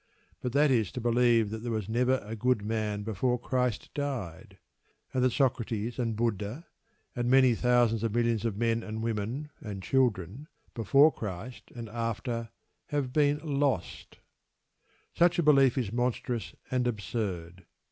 But that is to believe that there never was a good man before Christ died, and that Socrates and Buddha, and many thousands of millions of men, and women, and children, before Christ and after, have been lost. Such a belief is monstrous and absurd.